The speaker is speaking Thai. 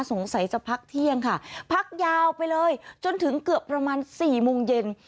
สงสัยจะพักเที่ยงค่ะพักยาวไปเลยจนถึงเกือบประมาณ๔โมงเย็น